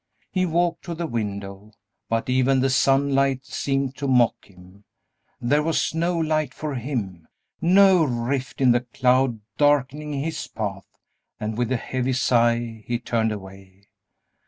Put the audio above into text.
He walked to the window, but even the sunlight seemed to mock him there was no light for him, no rift in the cloud darkening his path, and with a heavy sigh he turned away.